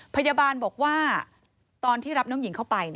พยาบาลบอกว่าตอนที่รับน้องหญิงเข้าไป